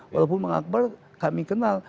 walaupun bang akbar kami kenal